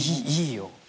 いいよ。